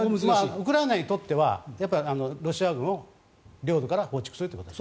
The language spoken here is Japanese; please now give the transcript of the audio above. ウクライナにとってはやっぱりロシア軍を領土から放逐するということ。